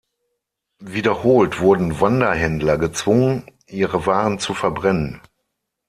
Wiederholt wurden Wanderhändler gezwungen, ihre Waren zu verbrennen.